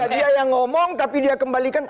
dia yang ngomong tapi dia kembalikan